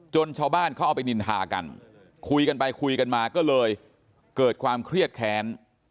ชาวบ้านเขาเอาไปนินทากันคุยกันไปคุยกันมาก็เลยเกิดความเครียดแค้น